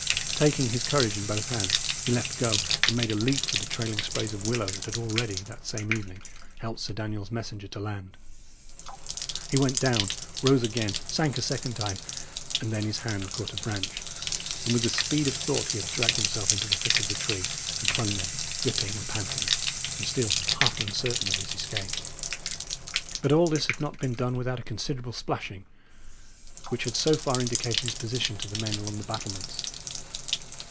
Taking his courage in both hands, he left go and made a leap for the trailing sprays of willow that had already, that same evening, helped Sir Daniel's messenger to land. He went down, rose again, sank a second time, and then his hand caught a branch, and with the speed of thought he had dragged himself into the thick of the tree and clung there, dripping and panting, and still half uncertain of his escape. But all this had not been done without a considerable splashing, which had so far indicated his position to the men along the battlements.